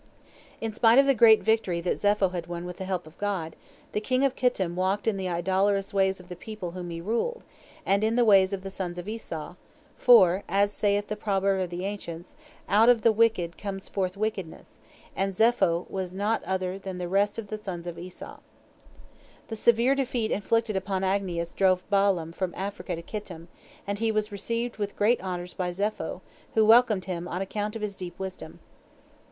In spite of the great victory that Zepho had won with the help of God, the king of Kittim walked in the idolatrous ways of the people whom he ruled, and in the ways of the sons of Esau, for, as saith the proverb of the ancients, "Out of the wicked cometh forth wickedness," and Zepho was not other than the rest of the sons of Esau. The severe defeat inflicted upon Agnias drove Balaam from Africa to Kittim, and he was received with great honors by Zepho, who welcomed him on account of his deep wisdom.